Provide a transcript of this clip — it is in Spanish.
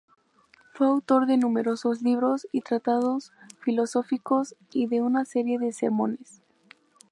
Fue autor de numerosos libros y tratados filosóficos y de una serie de sermones.